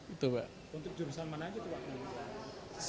untuk jurusan mana saja